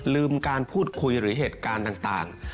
ลืมการพูดคุยหรือเหตุการณ์ต่าง